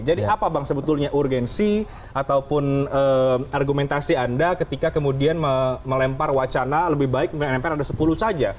jadi apa bang sebetulnya urgensi ataupun argumentasi anda ketika kemudian melempar wacana lebih baik menempel ada sepuluh saja